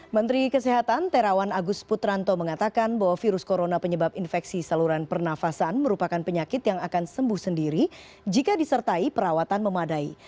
menteri kesehatan terawan agus putranto mengatakan bahwa virus corona penyebab infeksi saluran pernafasan merupakan penyakit yang akan sembuh sendiri jika disertai perawatan memadai